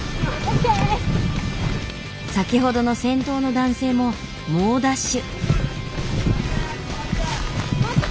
先ほどの先頭の男性も猛ダッシュ。